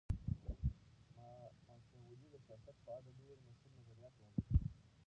ماکیاولي د سیاست په اړه ډېر مشهور نظریات وړاندي کړي دي.